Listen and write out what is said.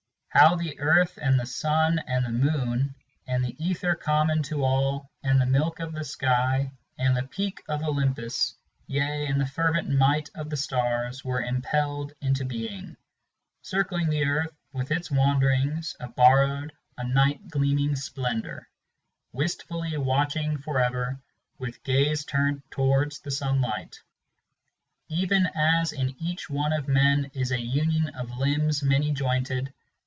###" How the earth and the sun, and the moon, and the ether Common to all, and the milk of the sky, and the peak of Olympus, Yea, and the fervent might of the stars, were impelled into being. #*# Circling the earth, with its wanderings, a borrowed, a night gleaming splendor. * Ō¢Ā& ##* #ŌĆó*# Wistfully watching forever, with gaze turned towards the sun light. *##ŌĆó Even as in each one of men is a union of limbs many jointed.